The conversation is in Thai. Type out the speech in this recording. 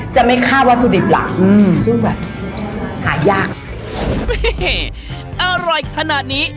จะไม่ฆ่าวัตถุดิบหลักอืมซึ่งแบบหายากอร่อยขนาดนี้